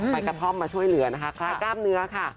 กระท่อมมาช่วยเหลือนะคะคล้ายกล้ามเนื้อค่ะ